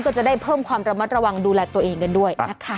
ก็จะได้เพิ่มความระมัดระวังดูแลตัวเองกันด้วยนะคะ